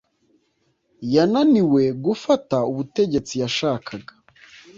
yananiwe gufata ubutegetsi yashakaga